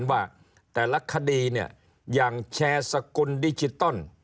ว่าแต่ละคดีเนี่ยอย่างแชร์สกุลดิจิตอล